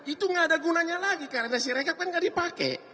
itu nggak ada gunanya lagi karena ada siregar kan nggak dipakai